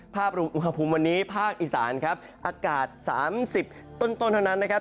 รวมอุณหภูมิวันนี้ภาคอีสานครับอากาศ๓๐ต้นเท่านั้นนะครับ